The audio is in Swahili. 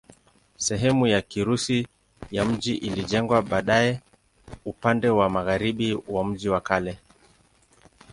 Sehemu ya Kirusi ya mji ilijengwa baadaye upande wa magharibi wa mji wa kale.